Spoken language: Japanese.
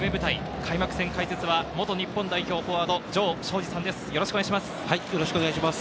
開幕戦解説は元日本代表フォワード・城彰二さんです、よろしくお願いします。